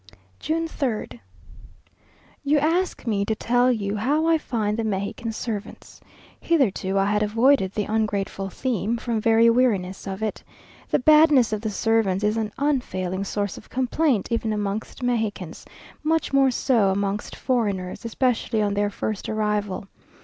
June 3rd. You ask me to tell you how I find the Mexican servants. Hitherto I had avoided the ungrateful theme, from very weariness of it. The badness of the servants, is an unfailing source of complaint even amongst Mexicans; much more so amongst foreigners, especially on their first arrival.